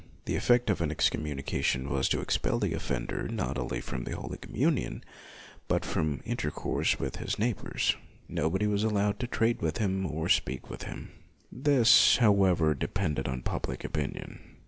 The effect of an excommunication was to expel the offender, not only from the Holy Com munion, but from intercourse with his neighbors; nobody was allowed to trade with him or speak to him. This, how ever, depended on public opinion.